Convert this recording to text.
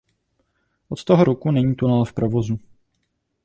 Od toho roku není tunel v provozu.